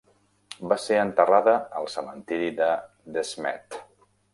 Va ser enterrada al cementiri de De Smet.